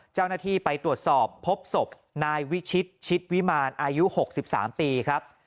เจ้าหน้าที่ไปตรวจสอบพบศพนายวิชิตชิดวิมารอายุ๖๓ปีครับ